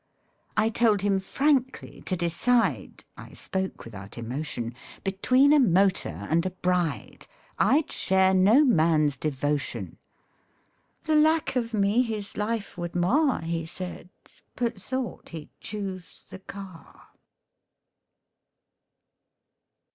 I told him frankly to decide I spoke without emotion Between a motor and a bride, I'd share no man's devotion. The lack of me his life would mar He said but thought he'd choose the car.